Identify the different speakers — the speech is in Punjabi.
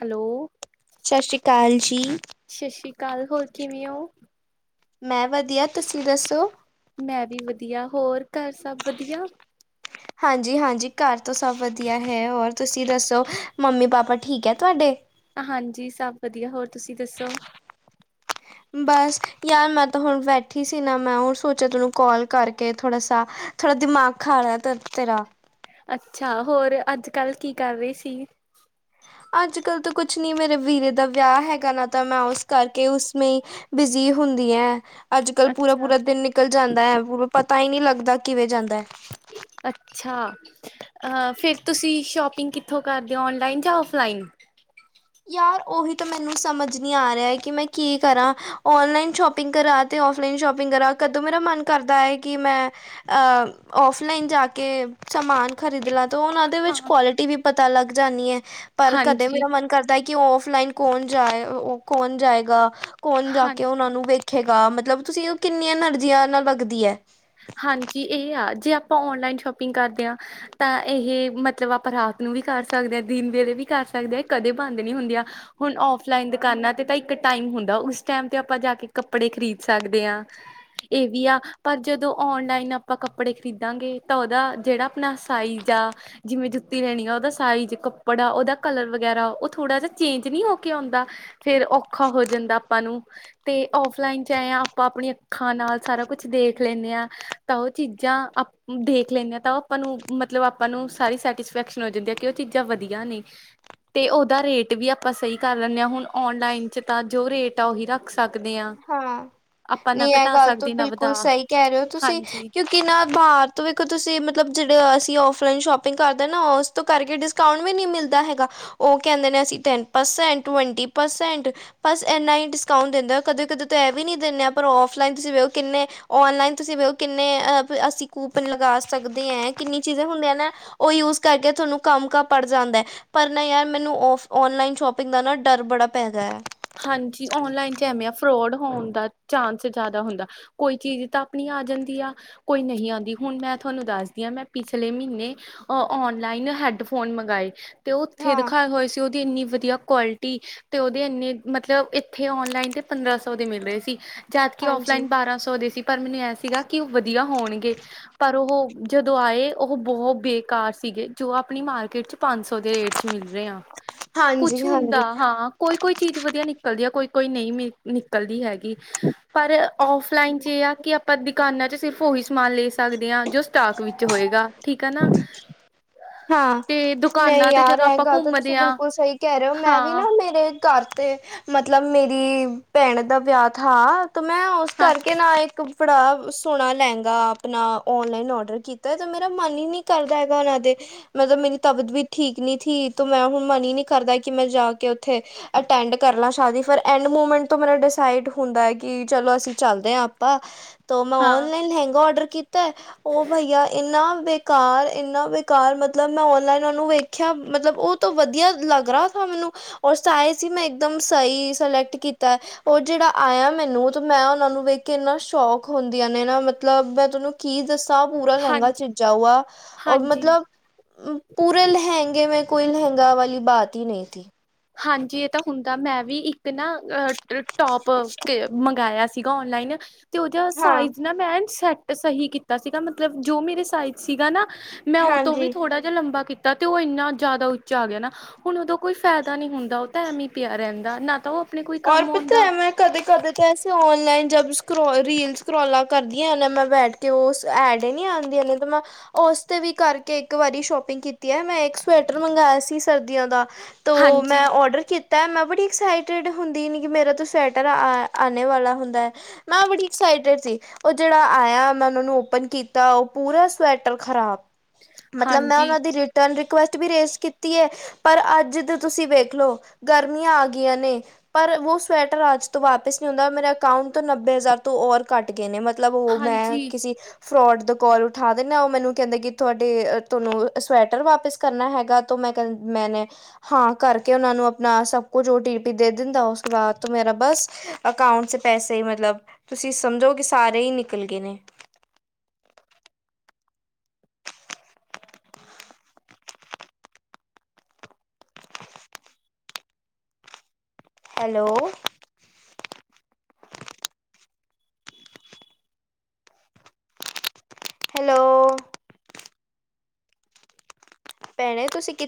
Speaker 1: ਹੈਲੋ
Speaker 2: ਸਤਿ ਸ਼੍ਰੀ ਅਕਾਲ ਜੀ
Speaker 1: ਸਤਿ ਸ੍ਰੀ ਅਕਾਲ ਹੋਰ ਕਿਵੇਂ ਓ
Speaker 2: ਮੈਂ ਵਧੀਆ ਤੁਸੀਂ ਦੱਸੋ
Speaker 1: ਮੈਂ ਵੀ ਵਧੀਆ ਹੋਰ ਘਰ ਸਭ ਵਧੀਆ
Speaker 2: ਹਾਂਜੀ ਹਾਂਜੀ ਘਰ ਤੋਂ ਸਭ ਵਧੀਆ ਹੈ ਹੋਰ ਤੁਸੀਂ ਦੱਸੋ ਮੰਮੀ ਪਾਪਾ ਠੀਕ ਐ ਤੁਹਾਡੇ
Speaker 1: ਹਾਂਜੀ ਸਭ ਵਧੀਆ ਹੋਰ ਤੁਸੀਂ ਦੱਸੋ
Speaker 2: ਬਸ ਯਾਰ ਮੈਂ ਤਾਂ ਹੁਣ ਬੈਠੀ ਸੀ ਨਾ ਮੈਂ ਹੁਣ ਸੋਚਿਆ ਤੈਨੂੰ ਕਾਲ ਕਰਕੇ ਥੋੜਾ ਸ ਥੋੜਾ ਦਿਮਾਗ ਖਾ ਲਾ ਤਤ ਤੇਰਾ
Speaker 1: ਅੱਛਾ ਹੋਰ ਅੱਜ ਕੱਲ੍ਹ ਕੀ ਕਰ ਰਹੀ ਸੀ
Speaker 2: ਅੱਜ ਕੱਲ ਤਾਂ ਕੁਛ ਨੀ ਮੇਰੇ ਵੀਰੇ ਦਾ ਵਿਆਹ ਹੈਗਾ ਨਾ ਤਾਂ ਮੈਂ ਉਸ ਕਰਕੇ ਉਸੇ ਬਿਜ਼ੀ ਹੁੰਦੀ ਐ ਅੱਜ ਕੱਲ ਪੂਰਾ
Speaker 1: ਅੱਛਾ
Speaker 2: ਪੂਰਾ ਦਿਨ ਨਿਕਲ ਜਾਂਦਾ ਐ ਪੂਰਾ ਪਤਾ ਹੀ ਨਹੀਂ ਲੱਗਦਾ ਕਿਵੇਂ ਜਾਂਦਾ ਐ
Speaker 1: ਅੱਛਾ ਅ ਫਿਰ ਤੁਸੀਂ ਸ਼ੋਪਿੰਗ ਕਿੱਥੋਂ ਕਰਦੇ ਹੋ ਔਨਲਾਈਨ ਜਾਂ ਔਫਲਾਈਨ
Speaker 2: ਯਾਰ ਉਹੀ ਤਾਂ ਮੈਨੂੰ ਸਮਝ ਨਹੀਂ ਆ ਰਿਹਾ ਕਿ ਮੈਂ ਕੀ ਕਰਾਂ ਓਨਲਾਈਨ ਸ਼ੋਪਿੰਗ ਕਰਾਂ ਤੇ ਓਫਲਈਨ ਸ਼ੋਪਿੰਗ ਕਰਾ ਕਦੋਂ ਮੇਰਾ ਮਨ ਕਰਦਾ ਹੈ ਕਿ ਮੈਂ ਅ ਔਫਲਾਈਨ ਜਾ ਕੇ ਸਮਾਨ ਖਰੀਦ ਲਾਂ ਤੇ ਉਹ ਉਹਦੇ
Speaker 1: ਹਾਂ
Speaker 2: ਵਿੱਚ ਕੁਆਲਿਟੀ ਵੀ ਪਤਾ ਲੱਗ ਜਾਂਣੀ ਐ ਪਰ ਕਦੇ
Speaker 1: ਹਾਂਜੀ
Speaker 2: ਮੇਰਾ ਮਨ ਕਰਦਾ ਕਿ ਉਹ ਫਲਾਈਨ ਕੌਣ ਜਾਏ ਉਹ ਕੌਣ ਜਾਏਗਾ ਕੌਣ ਜਾ
Speaker 1: ਹਾਂਜੀ
Speaker 2: ਕੇ ਉਹਨਾਂ ਨੂੰ ਵਖ ਰਖੇਗਾ ਮਤਲਬ ਤੁਸੀਂ ਕਿੰਨੀਆਂ ਐਨਰਜੀਆਂ ਨਾਲ ਲੱਗਦੀ ਐ
Speaker 1: ਹਾਂਜੀ ਇਹ ਆ ਜੇ ਆਪਾਂ ਔਨਲਾਈਨ ਸ਼ੋਪਿੰਗ ਕਰਦੇ ਆਂ ਤਾਂ ਇਹ ਮਤਲਬ ਆਪਾਂ ਰਾਤ ਨੂੰ ਵੀ ਕਰ ਸਕਦੇ ਹਾਂ ਦਿਨ ਵੇਲੇ ਵੀ ਕਰ ਸਕਦੇ ਹਾਂ ਕਦੇ ਬੰਦ ਨੀ ਹੁੰਦੀਆਂ। ਹੁਣ ਆਫਲਾਈਨ ਦੁਕਾਨਾਂ ਤੇ ਤਾਂ ਇੱਕ ਟਾਈਮ ਹੁੰਦਾ ਉਸ ਟਾਈਮ ਤੇ ਆਪਾਂ ਜਾ ਕੇ ਕੱਪੜੇ ਖਰੀਦ ਸਕਦੇ ਹਾਂ। ਇਹ ਵੀ ਆ ਪਰ ਜਦੋਂ ਔਨਲਾਈਨ ਆਪਾਂ ਕੱਪੜੇ ਖਰੀਦਾਂਗੇ ਤਾਂ ਉਹਦਾ ਜਿਹੜਾ ਆਪਣਾ ਸਾਈਜ਼ ਆ। ਜਿਵੇਂ ਜੁੱਤੀ ਲੈਣੀ ਆ ਉਹਦਾ ਸਾਈਜ਼ ਕੱਪੜਾ ਉਹਦਾ ਕਲਰ ਵਗੈਰਾ ਉਹ ਥੋੜਾ ਜਿਹਾ ਚੇਂਜ ਨਹੀਂ ਹੋ ਕੇ ਆਉਂਦਾ। ਫੇਰ ਔਖਾ ਹੋ ਜਾਂਦਾ ਆਪਾਂ ਨੂੰ ਤੇ ਫਲਾਈਨ ਚ ਏਂ ਆ ਆਪਾਂ ਆਪਣੀਆਂ ਅੱਖਾਂ ਨਾਲ ਸਾਰਾ ਕੁਛ ਦੇਖ ਲੈਂਦੇ ਆ। ਤਾਂ ਉਹ ਚੀਜ਼ਾਂ ਦੇਖ ਲੈਂਦੇ ਹਾਂ ਤਾਂ ਉਹ ਆਪਾਂ ਨੂੰ ਮਤਲਬ ਆਪਾਂ ਨੂੰ ਸਾਰੀ ਸੈਟਿਸਫੈਕਸ਼ਨ ਹੋ ਜਾਂਦੀ ਹੈ। ਕਿ ਉਹ ਚੀਜ਼ਾਂ ਵਧੀਆ ਨੇ। ਤੇ ਉਹਦਾ ਰੇਟ ਵੀ ਆਪਾਂ ਸਹੀ ਕਰ ਲੈਂਨਦੇ ਹਾਂ ਹੁਣ ਓਨਲਾਈਨ ਚ ਤਾਂ ਜੋ ਰੇਟ ਆ ਉਹੀ ਰ ਰੱਖ ਸਕਦੇ ਹਾਂ ਆਪਾਂ ਨਾ
Speaker 2: ਨਹੀਂ ਇਹ
Speaker 1: ਘਟਾ
Speaker 2: ਗੱਲ
Speaker 1: ਸਕਦੇ ਨਾ ਵਧਾ। ਹਾਂਜੀ
Speaker 2: ਮਤਲਬ ਕਿ ਨਾ ਬਾਹਰ ਤੋਂ ਵੇਖੋ ਤੁਸੀਂ ਮਤਲਬ ਜਿਹੜੇ ਅਸੀਂ ਔਫਲਾਈਨ ਸ਼ੋਪਿੰਗ ਕਰਦੇ ਨਾ ਉਸ ਤੋਂ ਕਰਕੇ ਡਿਸਕਾਊਂਟ ਵੀ ਨਹੀਂ ਮਿਲਦਾ ਹੈਗਾ। ਉਹ ਕਹਿੰਦੇ ਨੇ ਅਸੀਂ ਟੈਨ ਪਰਸੈਂਟ ਟਵੰਟੀ ਪਰਸੈਂਟ ਬਸ ਇਨਾ ਹੀ ਡਿਸਕਾਂਉਟ ਦਿੰਦੇ ਨੇ। ਕਦੇ ਕਦੇ ਤਾਂ ਇਹ ਵੀ ਨੀ ਦਿੰਦੇ ਹ ਪਰ ਆਫਲਾਈਨ ਤੁਸੀਂ ਵੇਖੋ ਕਿੰਨੇ ਔਨਲਾਈਨ ਤੁਸੀਂ ਵੇਖੋ ਕਿੰਨੇ ਅ ਅਸੀਂ ਕੂਪਨ ਲਗਾ ਸਕਦੇ ਹੈ ਕਿੰਨੀ ਚੀਜ਼ਾਂ ਹੁੰਦੀਆਂ ਨਾ ਉਹ ਯੂਜ ਕਰਕੇ ਤੁਹਾਨੂੰ ਕੰਮ ਕ ਪੜ ਜਾਂਦਾ ਹੈ। ਪਰ ਨਹੀ ਯਾਰ ਮੈਨੂੰ ਆਫ ਔਨਲਾਈਨ ਸ਼ੋਪਿੰਗ ਦਾ ਨਾ ਡਰ ਬੜਾ ਪੈਦਾ ਹੈ।
Speaker 1: ਹਾਂਜੀ ਔਨਲਾਈਨ ਚ ਐਵੇਂ ਆ ਫਰੋਡ ਹੋਣ ਦਾ ਚਾਂਸ ਜ਼ਿਆਦਾ ਹੁੰਦਾ। ਕੋਈ ਚੀਜ਼ ਤਾਂ ਆਪਣੀ ਆ ਜਾਂਦੀ ਆ। ਕੋਈ ਨਹੀਂ ਆਉਂਦੀ ਹੁਣ ਮੈਂ ਤੁਹਾਨੂੰ ਦੱਸਦੀ ਹਾਂ ਮੈਂ ਪਿਛਲੇ ਮਹੀਨੇ ਅ ਔਨਲਾਈਨ ਹੈਡਫੋਨ ਮੰਗਵਾਏ। ਅਤੇ ਉਥੇ
Speaker 2: ਹਾਂ
Speaker 1: ਦਖਾਏ ਹੋਏ ਸੀ ਉਹਦੀ ਇੰਨੀ ਵਧੀਆ ਕੁਆਲਿਟੀ ਅਤੇ ਉਹਦੇ ਇੰਨੇ ਮਤਲਬ ਇੱਥੇ ਔਨਲਾਈਨ ਤੇ ਪੰਦਰਾਂ ਸੌ ਦੇ ਮਿਲ ਰਹੇ ਸੀ ਜਦਕਿ
Speaker 2: ਹਾਂਜੀ
Speaker 1: ਆਫਲਾਈਨ ਬਾਰਾਂ ਸੌ ਦੇ ਸੀ। ਪਰ ਮੈਨੂੰ ਇਹ ਸੀਗਾ ਕਿ ਉਹ ਵਧੀਆ ਹੋਣਗੇ। ਪਰ ਉਹ ਜਦੋਂ ਆਏ ਉਹ ਬਹੁਤ ਬੇਕਾਰ ਸੀਗੇ ਜੋ ਆਪਣੀ ਮਾਰਕੀਟ ਚ ਪੰਜ ਸੌ ਦੇ ਰੇਟ ਚ ਮਿਲ ਰਹੇ ਆ ਕੁਛ
Speaker 2: ਹਾਂਜੀ
Speaker 1: ਹੁੰਦਾ
Speaker 2: ਹਾਂਜੀ
Speaker 1: ਹਾਂ ਕੋਈ ਕੋਈ ਚੀਜ਼ ਵਧੀਆ। ਵਧੀਆ ਨਿਕਲਦੀ ਹੈ ਕੋਈ ਕੋਈ ਨਹੀਂ ਮ ਨਿਕਲਦੀ ਹੈਗੀ। ਪਰ ਆਫਲਾਈਨ ਚ ਇਹ ਆ ਕਿ ਆਪਾਂ ਦੁਕਾਨਾਂ ਚ ਸਿਰਫ ਉਹੀ ਸਮਾਨ ਲੈ ਸਕਦੇ ਹਾਂ ਜੋ ਸਟਾਕ ਵਿੱਚ ਹੋਏਗਾ ਠੀਕ ਹੈ ਨਾ।
Speaker 2: ਹਾਂ
Speaker 1: ਤੇ
Speaker 2: ਨਹੀਂ
Speaker 1: ਦੁਕਾਨਾਂ ਤੇ
Speaker 2: ਯਾਰ
Speaker 1: ਜਦੋਂ
Speaker 2: ਇਹ
Speaker 1: ਆਪਾਂ
Speaker 2: ਗੱਲ ਤਾਂ ਤੁਸੀਂ
Speaker 1: ਘੁੰਮਦੇ ਹਾਂ
Speaker 2: ਬਿਲਕੁਲ ਸਹੀ ਕਹਿ ਰਹੇ ਹੋ ਮੈਂ ਵੀ
Speaker 1: ਹਾਂ
Speaker 2: ਨਾ ਮੇਰੇ ਘਰ ਤੇ ਮਤਲਬ ਮੇਰੀ ਭੈਣ ਦਾ ਵਿਆਹ ਥਾ। ਤਾਂ ਮੈਂ ਉਸ
Speaker 1: ਹਾਂ
Speaker 2: ਕਰਕੇ ਨਾ ਇੱਕ ਬੜਾ ਸੋਹਣਾ ਲਹਿੰਗਾ ਆਪਣਾ ਔਨਲਾਈਨ ਔਡਰ ਕੀਤਾ ਹੈ ਤਾਂ ਮੇਰਾ ਮਨ ਹੀ ਨਹੀਂ ਕਰਦਾ ਹੈਗਾ ਉਹਨਾਂ ਦੇ ਮਤਲਬ ਮੇਰੀ ਤਬੀਅਤ ਵੀ ਠੀਕ ਨੀ ਥੀ ਤੇ ਮੈਂ ਹੁਣ ਮਨ ਹੀ ਨੀ ਕਰਦਾ ਕਿ ਮੈਂ ਜਾ ਕੇ ਉੱਥੇ ਅਟੈਂਡ ਕਰ ਲਾਂ ਸ਼ਾਦੀ ਫਿਰ ਐਂਡ ਮੂਮੈਂਟ ਤੋਂ ਮੇਰਾ ਡਿਸਾਈਡ ਹੁੰਦਾ ਕਿ ਚਲੋ ਅਸੀਂ ਚੱਲਦੇ ਹਾਂ ਆਪਾਂ। ਤੋਂ ਮੈਂ
Speaker 1: ਹਾਂ
Speaker 2: ਓਨਲਾਈਨ ਲਹਿੰਗਾ ਉਡਰ ਕੀਤਾ ਉਹ ਭਈਆ ਇੰਨਾ ਬੇਕਾਰ ਇੰਨਾ ਬੇ ਬੇਕਾਰ ਮਤਲਬ ਮੈਂ ਔਨਲਾਈਨ ਉਹਨੂੰ ਵੇਖਿਆ ਮਤਲਬ ਉਹ ਤੋਂ ਵਧੀਆ ਲੱਗ ਰਹਾ ਥਾ ਮੈਨੂੰ। ਔਰ ਸਾਇਜ਼ ਹੀ ਮੈਂ ਇੱਕਦਮ ਸਹੀ ਸਿਲੈਕਟ ਕੀਤਾ। ਉਹ ਜਿਹੜਾ ਆਇਆ ਮੈਨੂੰ ਤੇ ਮੈਂ ਉਹਨਾਂ ਨੂੰ ਵੇਖ ਕੇ ਇੰਨਾ ਸ਼ੌਕ ਹੁੰਦੀਆਂ ਨੇ ਨਾ ਮਤਲਬ ਮੈਂ ਤੁਹਾਨੂੰ ਕੀ ਦੱਸਾ ਪੂਰਾ ਲਹਿੰਗਾ
Speaker 1: ਹਾਂਜੀ
Speaker 2: ਛਿਜਿਆ ਹੋਇਆ ਔਰ
Speaker 1: ਹਾਂਜੀ
Speaker 2: ਮਤਲਬ ਪੂਰੇ ਲਹਿੰਗੇੇ ਮੇਂ ਕੋਈ ਲਹਿੰਗਾ ਵਾਲੀ ਬਾਤ ਹੀ ਨਹੀਂ ਥੀ
Speaker 1: ਹਾਂਜੀ ਇਹ ਤਾਂ ਹੁੰਦਾ ਮੈਂ ਵੀ ਇੱਕ ਨਾ ਅ ਟੋਪ ਕੇ ਮੰਗਵਾਇਆ ਸੀਗਾ ਔਨਲਾਈਨ ਤੇ ਉਹਦੇ
Speaker 2: ਹਾਂ
Speaker 1: ਸਾਈਜ਼ ਨਾ ਮੈਂ ਸੈੱਟ ਸਹੀ ਕੀਤਾ ਸੀਗਾ ਮਤਲਬ ਜੋ ਮੇਰੇ ਸਾਈਜ਼ ਸੀਗਾ ਨਾ ਮੈਂ ਉਹ ਤੋਂ ਵੀ
Speaker 2: ਹਾਂਜੀ।
Speaker 1: ਥੋੜ੍ਹਾ ਲੰਬਾ ਕੀਤਾ ਤੇ ਉਹ ਇੰਨਾ ਜ਼ਿਆਦਾ ਉੱਚਾ ਆ ਗਿਆ ਨਾ ਹੁਣ ਉਦਾ ਕੋਈ ਫਾਇਦਾ ਪਤਾ ਨਹੀਂ ਹੁੰਦਾ ਉਹ ਤਾਂ ਐਮ ਹੀ ਪਿਆ ਰਹਿੰਦਾ ਨਾ ਤਾਂ ਉਹ। ਕੋਈ
Speaker 2: ਔਰ
Speaker 1: ਕੰਮ
Speaker 2: ਪਤਾਂ
Speaker 1: ਆਉਂਦਾ
Speaker 2: ਐ ਮੈਂ ਕਦੇ ਕਦੇ ਤਾਂ ਐਸੇ ਔਨਲਾਈਨ ਜਬ ਸਕੋ ਰੀਲ ਸਕੋਾਲਾਂ ਕਰਦੀਆਂ ਹਨ ਮੈਂ ਬੈਠ ਤੇ ਉਹ ਐਡ ਨੀ ਆਉਂਦੀਆਂ ਨੇ ਤਾਂ ਮੈਂ ਉਸ ਤੇ ਵੀ ਕਰਕੇ ਇੱਕ ਵਾਰੀ ਸ਼ੋਪਿੰਗ ਕੀਤੀ ਹੈ ਮੈਂ ਇੱਕ ਸਵੈਟਰ ਮੰਗਵਾਆ ਸੀ ਸਰਦੀਆਂ ਦਾ। ਤੋ ਮੈਂ
Speaker 1: ਹਾਂਜੀ
Speaker 2: ਔਡਰ ਕੀਤਾ ਮੈਂ ਬੜੀ ਐਕਸਾਈਟਡ। ਹੁੰਦੀ ਨੀ ਕਿ ਮੇਰਾ ਤ ਸਵੈਟਰ ਆ ਆਣੇ ਵਾਲਾ ਹੁੰਦਾ ਹੈ ਮੈਂ ਬੜੀ ਐਕਸਾਈਟਿਡ ਸੀ। ਉਹ ਜਿਹੜਾ ਆਇਆ ਮੈਂਨੂੰ ਓਪਨ ਕੀਤਾ ਉਹ ਪੂਰਾ ਸਵੈਟਰ ਖ਼ਰਾਬ ਮਤਲਬ ਮੈਂ
Speaker 1: ਹਾਂਜੀ
Speaker 2: ਉਹਨਾਂ ਦੀ ਰਿਟਰਨ ਰਿਕੁੈਸਟ ਵੀ ਰੇਜ਼ ਕੀਤੀ ਹੈ। ਪਰ ਅੱਜ ਤੁਸੀਂ ਵੇਖ ਲਓ ਗਰਮੀਆਂ ਆ ਗਈਆਂ ਨੇ। ਪਰ ਉਹ ਸਵੈਟਰ ਅੱਜ ਤੋਂ ਵਾਪਿਸ ਨਹੀਂ ਹੁੰਦਾ ਮੇਰੇ ਅਕਾਊਂਟ ਤੋਂ ਨੱਬੇ ਹਜ਼ਾਰ ਤੋਂ ਔਰ ਘੱਟ ਗਏ ਨੇ ਮਤਲਬ ਉਹ ਮੈਂ
Speaker 1: ਹਾਂਜੀ
Speaker 2: ਕਿਸੇ ਫਰੋਡ ਦ ਕਾਲ ਉਠਾ ਦੇਿੰਦਾ ਉਹ ਮੈਨੂੰ ਕਹਿੰਦੇ ਕਿ ਤੁਹਾਡੇ ਤੁਹਾਨੂੰ ਸਵੈਟਰ ਵਾਪਿਸ ਕਰਨਾ ਹੈਗਾ ਤਾਂ ਮੈਂ ਕਹ ਮੈਂ ਨੇ ਹਾਂ ਕਰਕੇ ਉਹਨਾਂ ਨੂੰ ਆਪਣਾ ਸਭ ਕੁਝ ਉਹ ਟੀ ਪੀ ਦੇ। ਦਿੰਦਾ ਉਸ ਤੋਂ ਬਾਅਦ ਮੇਰਾ ਬਸ ਅਕਾਊਂਟ ' ਪੈਸੇ ਹੀ ਮਤਲਬ ਤੁਸੀਂ ਸਮਝੋ ਕਿ ਸਾਰੇ ਹੀ ਨਿਕਲ ਗਏ ਨੇ। ਹੈਲੋ। ਹੈਲੋ। ਪੈਣੇ ਤੁਸੀਂ ਕਿ